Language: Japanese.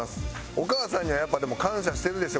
お母さんにはやっぱでも感謝してるでしょ。